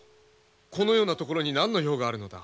このような所に何の用があるのだ？